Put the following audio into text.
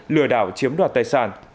lừa đảo chiếm đoạt tài sản